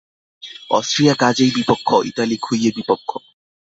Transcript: অষ্ট্রীয়া কাজেই বিপক্ষ, ইতালী খুইয়ে বিপক্ষ।